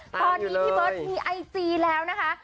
ตอนนี้พี่เบิร์ตมีไอจีแล้วนะคะ